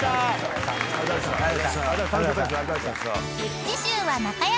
［次週は中山美穂！］